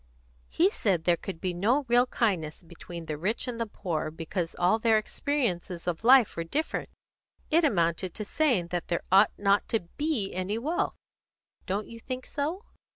"He said there could be no real kindness between the rich and poor, because all their experiences of life were different. It amounted to saying that there ought not to be any wealth. Don't you think so?"